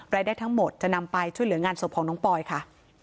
รายได้ทั้งหมดจะนำไปช่วยเหลืองานศพของน้องปอยค่ะ